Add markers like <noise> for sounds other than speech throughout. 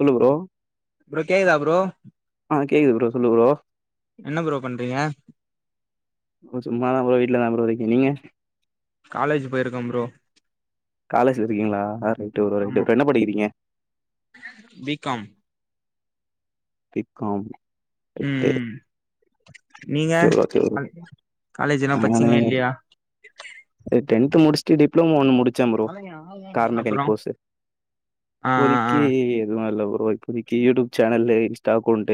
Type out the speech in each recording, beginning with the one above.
சொல்லு bro bro கேக்குதா bro ஆ கேக்குது ப்ரோ சொல்லு ப்ரோ என்ன ப்ரோ பண்றீங்க சும்மாதா ப்ரோ வீட்ல தா ப்ரோ இருக்கே நீங்க காலேஜ் போயிருக்கே ப்ரோ காலேஜ்ல இருக்கீங்களா அ ரைடு ரைடு ஆமா இப்ப என்ன படிக்கிறீங்க பி காம் பி காம் ம் ரைட்டு ம் நீங்க ஓகே ப்ரோ ஓகே ப்ரோ க காலேஜ் எல்லா பச்சீங்களா இல்லையா அ டென்த் முடிச்சி டிப்ளோமோ ஒன்னு முடி ச்சே ப்ரோ கார் அப்புறோ மெக்கானிக் கோர்ஸு ஆ ஆ ஆ இப்போதிக்கி எதுவு இல்ல ப்ரோ இப்போ இப்போதிக்கி YouTube channel Insta account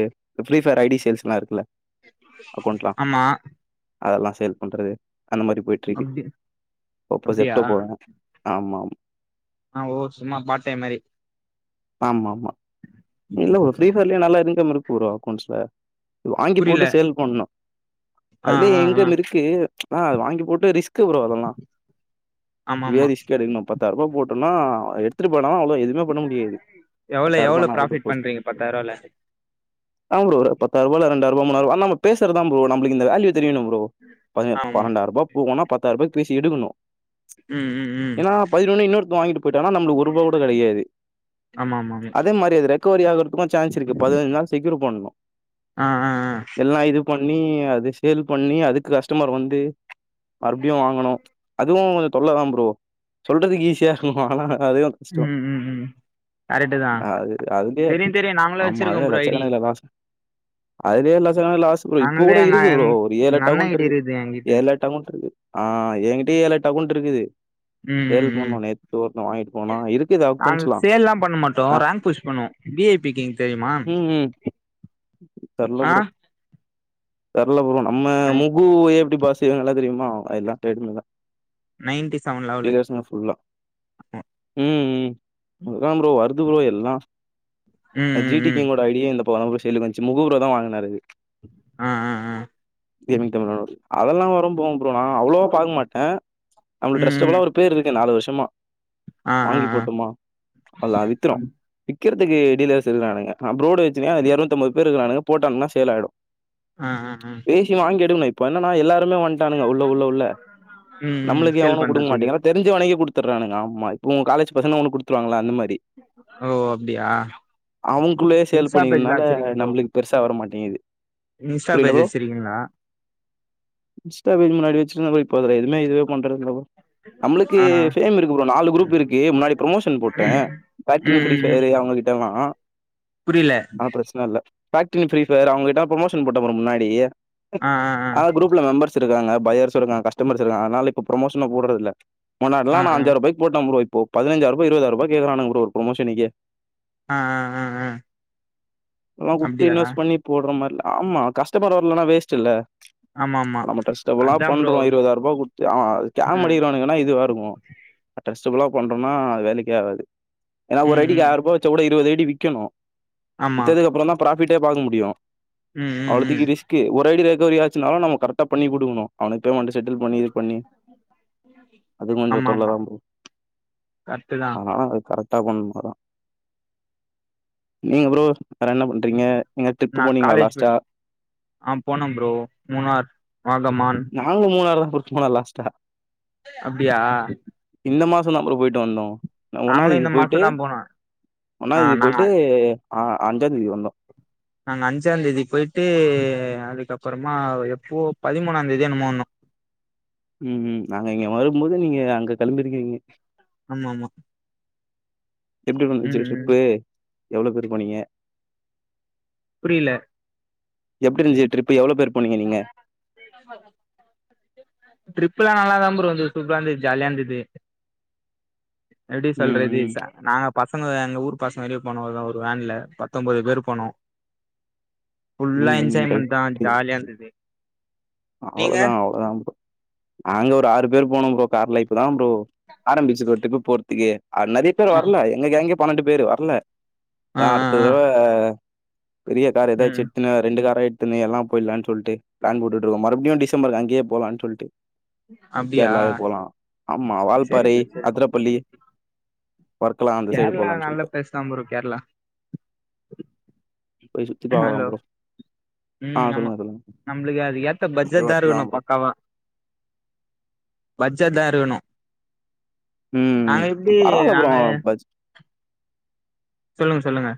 free fair ID sales எல்லா இருக்கில்ல ஆமா அதெல்லா சேல் பண்றது அந்த மாரி போயிட்டு இருக்கு அப்டி அப்டியா <unintelligible> போவ ஆமா ஆமா ஆ ஓ சும்மா பார்ட் டைம் மாரி ஆமா ஆமா இல்ல ஒரு ஃப்ரீ பயர்லயே நல்லா இன்கம் இருக்கு ப்ரோ அக்கௌண்ட்ஸ்ல வாங்கி புரியல போட்டு சேல் பண்ணணு ஆ அதுலயே ஆ ஆ இன்கம் இருக்கு ஆ அது வாங்கி போட்டு ரீஸ் க் ப்ரோ அதெல்லா ஆமா ஏ ஆமா ரிஸ்க் எடுக்கணு பத்தாயிர ரூவா போட்டன்னா எடுத்துட்டு போயி ன அவ்ளோ எதுமே பண்ண முடியாது எவ்ளோ எவ்ளோ பத்தாயிரரூபானா ஒரு ப்ராஃபிட் பண்றீங்க பத்தாயிர ரூபல ஆமா ப்ரோ ஒரு பத்தாயிர ரூவல ரெண்டாயிரோ மூணாயிரோ ஆ நம்ம பேசறதா ப்ரோ நம்மளுக்கு இந்த வேல்யு தெரியணு ப்ரோ பதின ஆமா பன்னெட்டாயிரம் ரூபாய் போகுனா பத்தாயிர ரூபாய்க பேசி எடுக்கணு ம் ம் ம் ஏன்னா பதினொன்னு இன்னொருத்த வாங்கிட்டு போயிட்டனா நம்மளுக்கு ஒரு ரூபா கூட கெடைகாது ஆமா ஆமா ஆமா அதே மாரி அது இன்னொரு பக்கம் சான்ஸ் இருக்கு பதினஞ்சு நாள் செக்யூர் பண்ணணு ஆ ஆ ஆ எல்லா இது பண்ணி அது சேல் பண்ணி அதுக்கு கஸ்டமர் வந்து மறுபடியு வாங்கணு அதுவு தொல்ல தா ப்ரோ சொல்றதுக்கு ஈஸியா இருக்கு ஆனா அதுவு கஷ்டோ ம் ம் ம் கரெக்ட்டு தா அது அதுலயே தெரியு தெரியு நாங்களு ஆமா. வச்சிருக்கோ அதுல ப்ரோ ஐடி லட்சக்கணக்குல லாஸ். அதுலயே எல்லா செலவு லாஸ் ப்ரோ இப்போ நாங்களே கூட எங்க இருக்கு ப்ரோ ஒரு எங்க ஏழெட்டு அண்ண அக்கவுண்ட் ஐ டி இருக்கு இருக்குது என்கிட்ட ஏழெட்டு அக்கவுண்ட் இருக்கு ஆ ஆ எங்கிட்டயு ஏழெட்டு அக்கவுண்ட் இருக்குது ம் சேல் ம் ம் பண்ணோம். நேத்து ஒருத்தன் வாங்கிட்டு போனான். இருக்குது நாங்க அக்கவுண்ட்ஸ்லாம். சேல் எல்லா பண்ண மாட்டோ ஆ ரேங் புஷ் பண்ணுவோ வி ஐ பி கிங் தெரியுமா தெரியல ஆ ப்ரோ தெரில ப்ரோ நம்ம நை முகு எப்டி பாஸ்யே நல்லா தெரியுமா அதா டிரேடு மில்ல நைன்டி செவன் லெவலு ஃபுல்லா. ம் ம் அதா ப்ரோ வருத் த்து ப்ரோ எல்லா ம் அ ஜி ம் டி ம் கிங்கோட ஐடியே இந்த இப்ப வர்றவங்களுக்கு சேலுக்கு வந்துச்சு முகு ப்ரோதா வாங்கினரு இது அ அ அ ஈவினீங் டைம் <unintelligible> அதெல்லா வரு போகு ப்ரோ நா அவ்ளவா பாக்க மாட்டே நம்மளுக்கு ம் ம் டிரஸ்டபுளா ஒரு பேரு இருக்கு நாலு வருஷமா ஆ ஆ வாங்கி ஆ போட்டுமா அல்லா வித்துரு அப் விக்கிறதுக்கு டீலர்ஸ் இருக்கானுங்க நா அப்ருடு வெசிருக்க அது எறநுத்திம்பது பேரு இருக்கானுக போட்டாங்கன்னா சேல் ஆயிடு ஆ ஆ ஆ பேசி வாங்கி எடுக்கணு இப்போ என்னன்னா எல்லாரு உள்ள வன்டானுங்க உள்ள உள்ள உள்ள ம் ம் நம்ளுக்கு சேல் எவனு குடுக்க பண்றதுக்கு மாட்டீங்கறா தெரிஞ்சவனுகே குடுத் த்தர்னானுங்க ஆம்மா இப்ப ஊ காலேஜ் பசங்க உனக் குடுத்ருவாங்களா அந்த மாரி டி ஓ அப்டியா அவுங்குல்லியே சேல் இன்ஸ்டா பேஜ்லா பண்ணிகின்னால அ வச்சிருக்கீங்களோ நம்ளுக்கு பெருசா வரமாட்டேங்கிது இன்ஸ்டா புரில பேஜ் ப்ரோ வச்சிருக்கீங்களா இன்ஸ்டா பேஜ் முன்னாடி வச்சின போய் இப்பதுல எதுமே இதுவே பண்றதில்ல ப்ரோ நம்ளுக்கு ஆ ஆ ஃபேம் இருக்கு ப்ரோ நாலு குரூப் இருக்கு முன்னாடி ப்ரமோஷன் போட்டே ம் ஃபேக்ட்ரில் பிரீ ஃபையரு டவுங்ககிட்டலா புரில ஃபேக்டின் ப்ரீ ஃபையர் அவுங்ககிட்ட பிரமோஷன் போட்ட ப்ரோ முன்னாடி ஆ ஆ அ குரூப்ல மெம்பர்ஸ் திருகாங்க ஃபையர்ஸ் இருகாங் கஸ்டமர்ஸ் இருகாங் அனால இப்ப பிரமோஷன போட்றதில்ல முன்னாடிலா ஆ ஆ நா அஞ்சாறு பைக் போட்ட ப்ரோ இப்போ பதினஞ்சாயரூபா இருவதாயரூபா கேக்கறானுங் ப்ரோ ஒரு பிரமோஷனக்கே அ அ அ அ எல்லா குத்து இன்வஸ் பண்ணி போட்ற மார்ல ஆமா கஷ்டப்பர்ற வர்லனா வேஸ்ட்டில்ல ஆமாம் நம்ம ட்ரஸ்டபளா பண்றோ இருவதாயிரபா குட்த்து அவ கேம் ம் அடிகறவனுகனா இதுவாருக்கு கட்டாஸ் சபிலா பண்றோனா அது வேலைக்கு ஆவாது ஏனா ஒரு ம் ஐடிக்கு ம் ஆயிரபா வச்சா கூட இருவது ஐடி விக்கணு ஆமா வித்ததுக்கப்றந்தா ப்ராபிட்டே பாக்க முடியு ம் ம் ம் அவ்ளோத்திக்கு ரிஸ்க்கு ஒரைடி ரெக்கவரி ஆச்சுனாலு நமக்கு கரெக்டா பண்ணி குடுக்கணு அவனுக்கு பேமெண்ட்டு செட்டில் பண்ணி இது பண்ணி அது கொஞ்ச ஆமா தொல்லதா ஆமா ப்ரோ கரெக்ட்டுதா ஆனாலு அது கரட் ட்டாபன் போறா நீங்க ப்ரோ வேற என்ன பண்றீங்க எங்க ட்ரிப் நா போனீங்ளா காலேஜ் போய் லாஸ்ட்டா ஆ போனம் ப்ரோ மூனார் வாகம்மா நாங்ளு மூனாருதா ப்ரோ போன லாஸ்ட்டா அப்டியா இந்த மாசந்தா ப்ரோ போயிட்டு வந்தோ ஒன்னாந் நாங்களு தேதி இந்த போயிட்டு மாசந்தா போனோ ஆ ஒன்னாந் தேதி நாங்க போயிட்டு ஆ அஞ்சாந்தேதி வந்தோ நாங்க அஞ்சாந்தேதி போயிட்டு அதுக்கப்புறமா எப்போ பதிமூனாம்ந்தேதியா என்னமோ வந்தோ உம் ம் நாங்க இங்க வரும்போது நீங்க அங்க கெளம்பிருக்கிறிங்க ஆமா மா எப்டி ப்ரோ இந்துச்சு ட்ரிப்பு எவ்ளோ பேரு போனிங்க புரில எப்டி இருஞ்சு ட்ரிப்பு எவ்ளோ பேர்ப் <unintelligible> ட்ரிப்லா நல்லாதா ப்ரோ இந்தது சூப்பராருந்தது ஜாலியா இந்தது எப்டி ம் சொல்றது ம் ச நாங்கப் பசங்க எங்க ஊர் பசங்க வெளிய போனோ ஒரு வேன்ல பத்தொம்போது பேர் போனோ ஃபுல்லா ம் ம் ரைட் என்ஜாய்மன்தா ஜாலியா இந்தது அவ்ளோதா அவ்ளோதா ப்ரோ நாங்க ஒரு ஆறு பேர் போனோ ப்ரோ கார்ல இப்பதா ப்ரோ ஆரம்பிச்சு ப்ரோ ட்ரிப்பு போர்த்துக்கு நெறைய பேர் வர்ல எங்க கேங்கே பன்னண்டு பேரு வர்ல ஆ ஆ நா அடுத்த ஆ திரவ பெரிய கார் எதாச்சு ம் எட்த்துனு ரெண்டு காரா எட்த் துனு எல்லாம் போயில்லான் சொல்ட்டு பிளான் போட்டுட்ருக்கோ மறுபடியு டிசம்பருக்கு அங்கியே போலான் சொல்ட்டு அப்டியா கேரளாவே போலா ஆம்மா சரி வால்பாறை ப்ரோ சரி ப்ரோ அதிரப்பள்ளி ஒர்க்குலா அந்த சைடு கேரளா போலான் நல்ல சொல்ட்டு பிளேஸ் தா ப்ரோ கேரளா போய் சுத்தி பாக்கலா ப்ரோ ஆ உம் ஆமா சொல்லுங்க, சொல்லுங்க. நம்ளுக்கு அது ஏத்த அது பட்ஜட்தா ஒர்த் இருக்கணு தான் ப்ரோ. பக்காவா பச்சத்தா இருக்கணு ம். நாங்க எப்டி பரவால்ல ப்ரோ நாங்க பட்ஜ் சொல்லுங்க சொல்லுங்க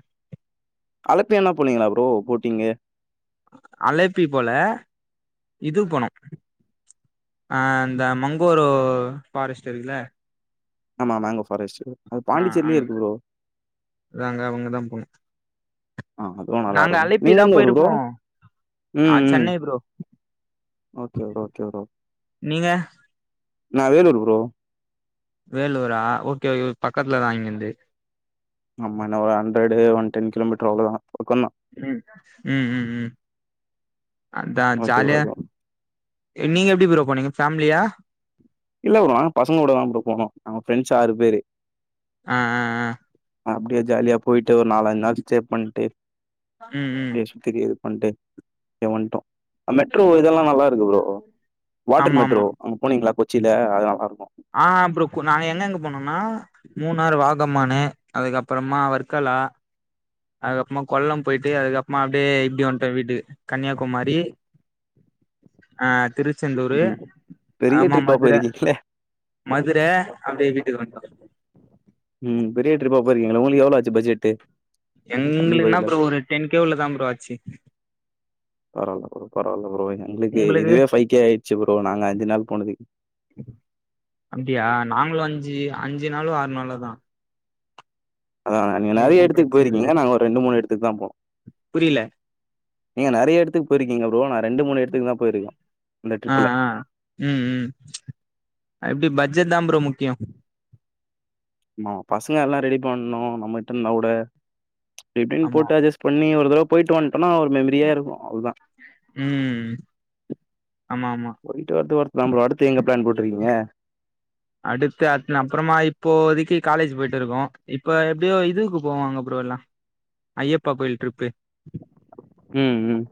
அலப்பி எங்னா போனீங்ளா ப்ரோ போட்டிங்கு அலப்பி போல இதுகு போனோ அ இந்த மங்கோரோ பாரஸ்ட்டு இருக்குல ஆமா மேங்கோ ஃபாரஸ்ட்டு அது ஆ பாண்டிச்சேரியிலயே அங்க இருக்கு ப்ரோ அங்க அவங்கதா போனோ ஆ அதுவு நல்லா நாங்க இருக்கு அலைப்பி நீங்க தா எந்த ஊரு ப்ரோ போயிருப்போ ம் ஆ ம் Chennai bro okay okay bro நீங்க நா வேலூர் ப்ரோ வேலூரா ஓகே ஓ பக்கத்துல தா இங்கிருந்து அம்ம என்ன ஒரு hundred one ten kilometre அவ்ளவுதா ம் ம் ம்ம் அதான் ஓகே ஜாலியா ப்ரோ. நீங்க எப்டி ப்ரோ போனிங்க பேமிலியா இல்ல ப்ரோ பசங்களோட தா போனோம் நாங்க ஃப்ரெண்ட்ஸ் ஆறு பேரு ஆ ஆ ஆ அப்டியே ஜாலியா போயிட்டு ஒரு நாலஞ்சு நாள் ஸ்டே பண்ட்டு ம் ம் அப்டியே சுத்திட்டு ஒன் டே தோ வந்ட்டோ மெட்ரோ இதெல்லா நல்லா இருக்கு ப்ரோ வாட்டர் ஆமா ஆமா மெட்ரோ அங்க போனீங்களா கொச்சில அது நல்லா இருக்கும் ஆ அப்ற நாஎங்க எங்க போனோம்னா மூணாறு வாகமானு அதுக்க அப்றமா வர்க்கால் லா அதுக்கப்புறமா கொல்லம் போயிட்டு அதுக்கப்புறமா அப்டியே இப்டி வந்ட்டோ வீட்டுக்கு கன்னியாகுமாரி ஆ திருச்செந்தூரு ம். பெரிய ஆமா ட்ரிப்பா மதுர போயிருக்கீங்களே. மதுர அப்டியே வீட்டுக்கு வந்டோ பெரிய ட்ரிப்பா போரிங்களா உங்களுக்கு எவ்ளோ ஆச்சு பட்ஜெட்டு நாங்க கம்மி எங்கலுக்கு என்னா பட்ஜெட்ல ப்ரோ ஒரு டென் கே குல்ல தாச்சு பரவாயில்ல ப்ரோ எங்களுக்கு இதுவே ஃபைக்கே ஆயிடுச்சு ப்ரோ நாங்க அஞ்சு நாள் போனதுக்கு அப்டியா நாங்களு அஞ்சு அஞ்சு நாளோ ஆறு நாளோதா அதான் நீங்க நறைய எடத்துக்கு பிரச்சன இல்ல போயிருக்கீங்க நாங்க ஒரு ரெண்டு மூணு எடத்துக்கு தா போனோ புரியல நீங்க நறைய எடத்துக்கு போயிருக்கீங்க ப்ரோ நா ரெண்டு மூணு எடத்துக்கு தா போயிருக்கோ இந்த ஆ ட்ரிப்ல ஆ ம் ம் அப்டி <unintelligible> தா ப்ரோ முக்கியோ ஆமா பசங்க எல்லா ரெடி பண்ணணு நம்மிட்ட இருந்தா கூட இப்டின்னு ஆமா போட்டு அஜெஸ் பண்ணி ஒரு தடவை போயிட்டு வன் அனா ஒரு மெமரியா இருக்கு அவ்ளோதா ம் ஆமா ஆமா போயிட்டு வரது ஒர்த்தா ப்ரோ அடுத்து எங்க பிளான் போட்ருக்கீங்க அடுத்து அதுக்கு அப்றமா இப்போவதிக்கு காலேஜ் போயிட்டு இருக்கோ இப்ப எப்டியோ இதுக்கு போவாங்க ப்ரோ இப்போலா ஐயப்பா கோயில் டிரிப்பு ம் ம்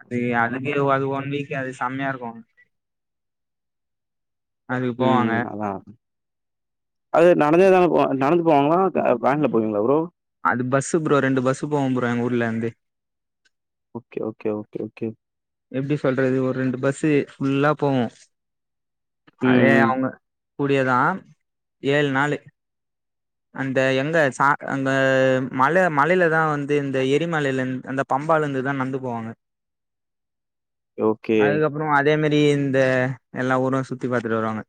அது அதுக்கே அது ஒன் வீக் அது செம்மையா இருக்கு அதுக்கு போவாங்க ம் அதான் அத அது நடந்தே தானேபோவ நடந்து போவாங்களா? அ வேன்ல போவீங்களா ப்ரோ? அது பஸ்ஸு ப்ரோ ரெண்டு பஸ்ஸு போவோ ப்ரோ எங்க ஊர்ல இருந்து ஓகே ஓகே ஓகே ஓகே எப்டி சொல்றது ஒரு ரெண்டு பஸ்ஸு ஃபுல்லா போவு ம், அதே ம். அவுங்க கூடியேதா ஏழு நாலு அந்த எங்க அங்க மலை மலைதா வந்து இந்த எரிமலையில அந்த பம்ப சம்பால இருந்துதா நடந்து போவாங்க ஓகே அதுக்கப்புறோ அதே மாரியே இந்த எல்லா ஊரும் சுத்தி பாத்துட்டு வருவாங்க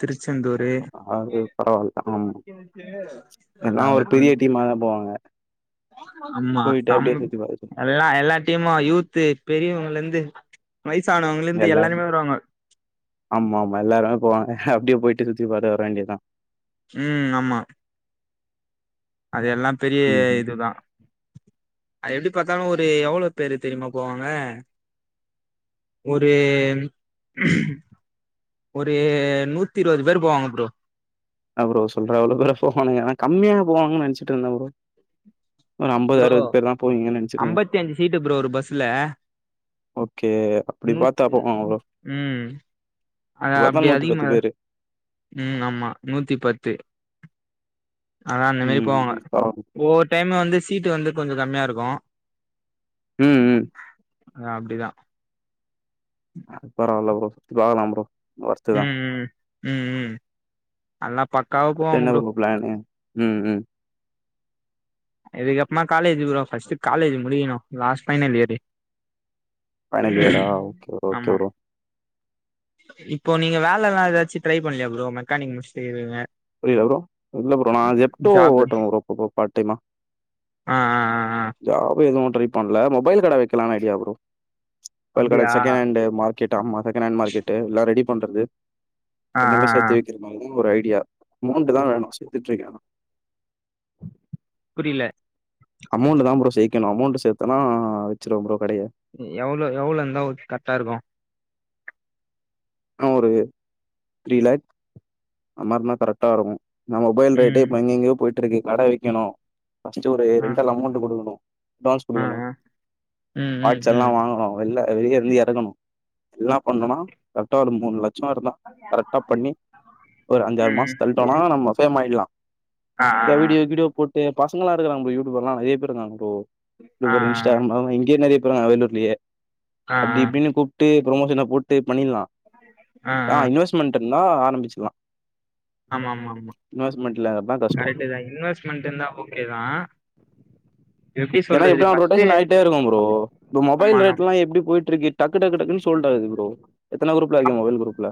திருச்செந்தூரு அது பரவால்ல. ஆமா. எல்லாம் ஒரு அதவந்து பெரிய டீமா தான் போவாங்க. ஆம்மா போயிட்டு அப்டியே சுத்தி பார்த்துட்டு எல்லா எல்லா டீம்மா யூத்து பெரிய இவங்கல இருந்து எல்லா ஆமா ஆமா எல்லாருமே போவாங்க அப்டியே போயிட்டு திருப்பி அத வர வேண்டியதா ம் ஆமா அது எல்லா பெரிய ம், ம். இதுதா அது எப்டி பாத்தாலு ஒரு எவ்ளோ பேரு தெரியுமா போவாங்க ஒரு ஒரு நூத்தி இருவது பேர் போவாங்க ப்ரோ அ ப்ரோ சொல்ற அவ்ளோ பேரா போவானுக நா கம்மியா போவாங்கனு நெனச்சுட்ருந்த ப்ரோ ஒரு ப்ரோ பேர் தான் போவீங்கன்னு நெனச்சிருந்தேன். அம்பத்தி அஞ்சு சீட்டு ப்ரோ ஒரு பஸ்ல ஓகே. அப்படி பாத்தா நூத்தி அப்போ ப்ரோ. ம் அது பாத்தா அப்டி அதிகமா பேரு. ம் ஆமா நூத்தி பத்து அதா அந்தமாரி ம். போவாங்க பரவால்ல. ஒவ்வொரு டைம் வந்து சீட்டு வந்து கொஞ்சோ கம்மி இருக்கு ம் ம் அ அப்டிதா அது பரவால்ல ப்ரோ வேனா ப்ரோ வொர்த்து தான். ம் ம் ம் ம் அன்ன அடுத்து என்ன ப்ரோ பிளானு ம் ம் இதுக்கப்ரமா காலேஜு ப்ரோ ஃபஸ்ட்டு காலேஜ் முடியனு லாஸ்ட் ஃபைனலியரு ஃபைனலியரா ஓகே ஓகே ஆமா ப்ரோ இப்போ நீங்க வேலல்லா எதாச்சு ட்ரை பண்லயா ப்ரோ மெக்கானிக் முச்சுட்டு இருகிங்க புரில ப்ரோ இல்ல ப்ரோ நா ஜெப்டோ ஜாபு ஓட்ற ப்ரோ ப பார்ட்டைமா ஆ ஆ ஆ ஆ ஜாப் எது ட்ரை பண்ல மொபைல் கட வைக்கலானு ஐடியா ப்ரோ மொபைல்கட அப்டியா செகெணடண்டு மார்க்கெட் ஆமா செகெண்டண்டு மார்க்கெட்டு எல்லா ரெடி பண்றது ஆ ரெண்டுமே ஆ ஆ சேத்தி வைக்கிற மாரிதா ஒரு ஐடியா அமௌண்டு தா வேணு சேத்துட்ருக்க நா இல்ல அமௌண்டுதா ப்ரோ சேக்கணு அமௌண்டு சேத்தனா வெச்சுருவ ப்ரோ கடைய. எவ்ளோ எவ்ளோ இருந்தா ஒ கரெக்டா இருக்கு என்ன ஒரு த்ரீ லேக் அன்மாரின்னா கரெக்டா இருக்கு நம்ம மொபைல் ரேட்டே ம் இப்ப எங்கெங்கியோ போய்ட்டுருக்கு கட வைக்கணு ஃபஸ்ட்டு ஒரு ஆ ரெண்டல் அமௌண்டு குடுக்கணு அட்டுவான்ஸ் ஆ குடுக்கணு ஆ ம் ம் பாட்ஸ்ஸெல்லா ம் வாங்கணு வெள்ல வெளிய இருந்து எறக்கணு இதுல்லா பண்ணணுனா கரெக்டா ஒரு மூணு லட் சோ இருந்தா கரெக்டா பண்ணி ஒரு அஞ்சாறு மாச ம் தள்ட்டோனா நம்ம ஃபேம் ஆய்ட்லா ஆ ஆ வீடியோ கீடியோ போட்டு பசங்களா இருக்றாங்க ப்ரோ யூடியூப்ர்ல்லா நெறைய பேரு இருக்காங்க ப்ரோ ஆ ஆ ஆ <unintelligible> இன்ஸ்டாகிராம் அவுக இங்கே நெறைய போறாங்க வேலூர்லயே ஆ ஆ அப்டி இப்டின்னு கூப்ட்டு ப்ரமோஷன போட்டு பண்ணிர்லா அ அ நா ஆரம்பிச்சுலா ஆமா ஆமா ஆமா கஷ்டோ கரெக்ட்டு தா இன்வெஸ்ட்மெண்ட்டு இருந்தா ஓகே தா எப்டி ஏன்னா சொல்றது எப்டி ஃபர்ஸ்ட் ரொட்டேஷன் ஆயிட்டேருக்கு ப்ரோ இப்ப ஆமா மொபைல் நம் ரேட்லா எப்டி போயிட்ருக்கு டக்கு டக்கு டக்குன் சோல்டா து ப்ரோ எத்தன குரூப்ல இருக்க மொபைல் குரூப்ல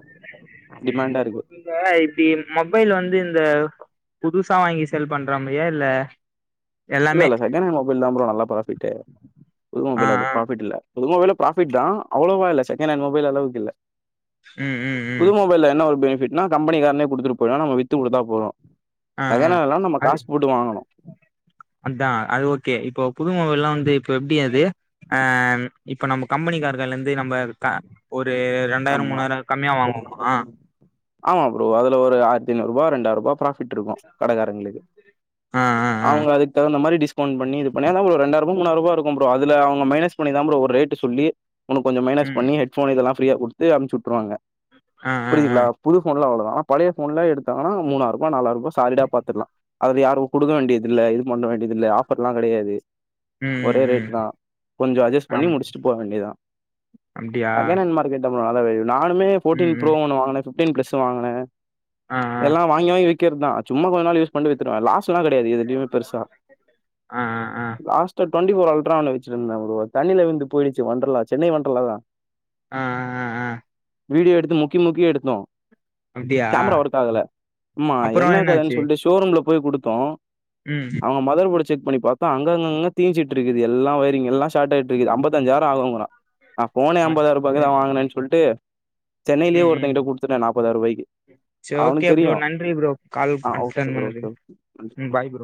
டிமாண்டா இருக்கு. போட்டுங்க இப்டி ன் மொபைல் வந்து இந்த புதுசா வாங்கி சேல் பண்றமாரியா இல்ல எல்லாமே இல்லல்ல செகண்டண்ட் மொபைல் தா ப்ரோ நல்லா ப்ராஃபிட்டு புது ஆ மொபைல்ல அவ்ளோ ஆ ப்ராஃபிட்டில்ல புது மொபைல்ல ப்ராஃபிட் தா அவ்ளோவா இல்ல செகெண்ட்ண்ட் மொபைல் அளவுக்கில்ல ம் ம் ம் புது மொபைல்ல என்ன ஒரு பெனிஃபிட்னா கம்பெனி காரனே குடுத்துட்டு போயிடுவ நம்ம வித்து குடுத்தா போது ஆ செகெணண்ல்லா நம்ம காசு போட்டு வாங்கணு அத்தா அது ஓகே இப்போ புது மொபைல்லா வந்து இப்ப எப்டி அது அ இப்ப நம்ப கம் கம்பெனிக்கார்கள்ளிந்து நம்ப க ஒரு ரெண்டாயிர ஆமா. மூனாயிர கம்மியா வாங்குவமா ஆமா ப்ரோ அதுல ஒரு ஆயர்த்தி ஐநூ ரூபா ரெண்டாயிர ரூபா ப்ரா பிட் இருக்கு கடகாரங்ளுக்கு ஆ ஆ ஆ ஆ அவங்க அதுக்கு தகுந்த மாரி டிஸ் ஃபோன் பண்ணி இதுவ் பண் <unintelligible> ஒரு ரெண்டாய்ருபா மூணாய்ருபா இருக்கோ ப்ரோ அதுல அவுங்க மைனஸ் பண்ணி தா ப்ரோ ஒரு ரேட்டு சொல்லி உனுக் கொஞ்சோ மைனஸ் ம் பண்ணி ஹட்ஃபோனு இதல்லா ஃப்ரியா குடுத்து அம்ச்சுட்ருவாங்க ஆ ஆ ஆ ஃபோன்லா அவ்ளோதா ஆன பழய ஃபோன்ல எடுத்தங்கனா மூணாய்ருபா நாலாய்ருபா சாலிடா பாத்திர்லா அதுல யாரு குடுக்க வேண்டியதில்ல இது பண்ண வேண்டியதில்ல ஆஃபர்ல்லா கெடயாது ம் ஒரே ம் ம் ரேட் தா கொஞ்சோ அஜ்ஜஸ் பண்ணி ஆம் முடிஷ்ட்டு போ வேண்டிதா அப்டியா செகெனென் மார்க்கெட்டு <unintelligible> நானுமே ஃபோடின் ம் ப்ரோ ம் ஒன்னு வாங்குன ஃபிப்டின் ப்ளஸ் வாங்குன ஆ எல்லா வாங்கி வாங்கி விக்கிற்த் தா அத் சும்மா கொஞ்ச நாள் யூஸ் கொண்டு வித்துடுவ லாஸ் எல்லா கெடயாது இது எதுமே பெருசா ஆ ஆ ஆ ஆ லாஸ்ட்டா டொண்டிபோர் அல்ட்ரானு வெச்சுனிர்ந்த ப்ரோ அத் தண்ணில உழ்ந்து போயிடுச்சி வன்டர்லா சென்னை வன்ட்ரலாதா ஆ ஆ ஆ வீடியோ எடுத்து முக்கி முக்கி எடுத்தோ அப்டியா கேமரா ஒர்க் ஆகல ஆமா அப்புறோ என்ன கதன்னு என்னாச்சு சொல்ட்டு ஷோரூம்ல போய் குடுத்தோ ம் அவுங்க மதர்போடு செக் பண்ணி பாத்தா அங்க அங்கங்க தீஞ்சிட்டு இருக்குது எல்லா ஒய்ரிங் எல்லா ஷாட்டாயிட்ருக்கு அம்பத்தஞ்சாய்ரோ ஆகோங்குறா நா ஃபோனே ஆ அம்பதாயிர ரூபாகு தா சரி வாங்குனன் சொல்ட்டு சென்னைலியே ம் ம் ஒருத்தங்கிட்ட குடுத்துட்ட நாப்பதாய்ருபாய்க்கி சரி அவ்னுக் ஓகே தெரியு ப்ரோ நன்றி ப்ரோ கால் ஆ ஓகே அட்டன் ப்ரோ ஓகே பண்ணதுக்கு ம் நன்றி பாய் ப்ரோ